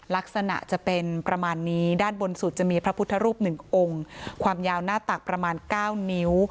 ลักษณะจะเป็นประมาณนี้ด้านบนสุดจะมีพระพุทธรูปหนึ่งองค์ความยาวหน้าตักประมาณ๙นิ้ว